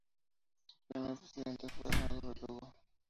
Su primer presidente fue Armando Verdugo.